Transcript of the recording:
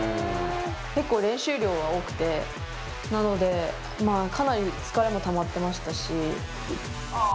結構練習量が多くて、なので、かなり疲れもたまってましたし。